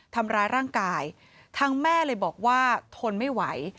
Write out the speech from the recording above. ทำร้ายร่างกายทางแม่เลยบอกว่าทนไม่ไหว